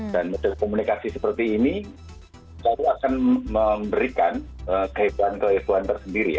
dan metode komunikasi seperti ini selalu akan memberikan kehebohan kehebohan tersendiri ya